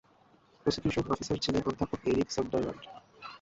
Prosecution officer ছিলেন অধ্যাপক Eric Sunderland.